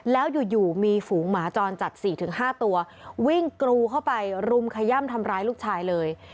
แล้วอยู่มีฝูงหมาจรจัด๔๕ตัววิ่งกรูเข้าไปรุมขย่ำทำร้ายลูกชายเลย